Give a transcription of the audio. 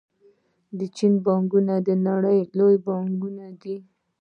د چین بانکونه د نړۍ لوی بانکونه دي.